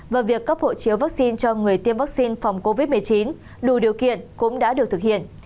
và việc cấp hộ chiếu vaccine cho người tiêm vaccine phòng covid một mươi chín đủ điều kiện cũng đã được thực hiện